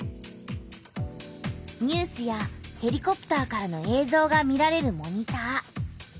ニュースやヘリコプターからのえいぞうが見られるモニター。